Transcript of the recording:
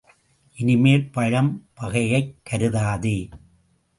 இனிமேல், பழம் பகையைக் கருதாதே!